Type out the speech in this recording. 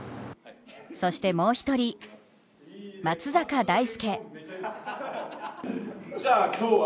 そしてもう一人、松坂大輔。